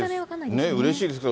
うれしいですね。